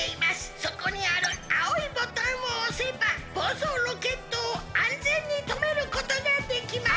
そこにあるあおいボタンをおせばぼうそうロケットをあんぜんにとめることができます！」。